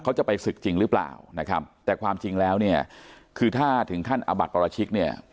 เขาจะไปศึกจริงหรือเปล่านะครับแต่ความจริงแล้วเนี่ยคือถ้าถึงขั้นอาบัติประชิกเนี่ย